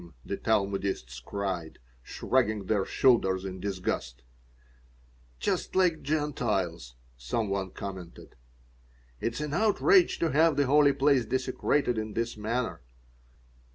the Talmudists cried, shrugging their shoulders in disgust "Just like Gentiles," some one commented "It is an outrage to have the holy place desecrated in this manner."